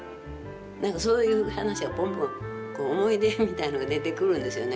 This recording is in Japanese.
何かそういう話がポンポン思い出みたいのが出てくるんですよね。